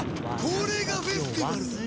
これがフェスティバルだ！